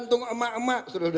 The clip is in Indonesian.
tapi sampai sadar aja